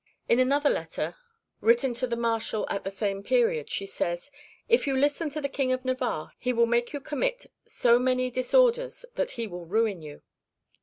In another letter written to the Marshal at the same period she says: "If you listen to the King of Navarre, he will make you commit so many disorders that he will ruin you."